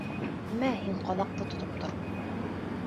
Мә, һин ҡаҙаҡты тотоп тор.